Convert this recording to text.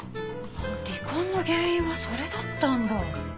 離婚の原因はそれだったんだ。